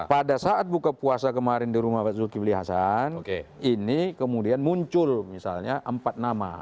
pada saat buka puasa kemarin di rumah pak zulkifli hasan ini kemudian muncul misalnya empat nama